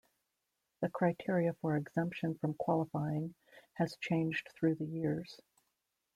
The criteria for exemption from qualifying has changed through the years.